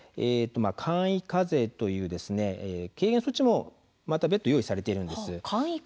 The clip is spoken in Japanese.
簡易課税という軽減措置も別途用意されています。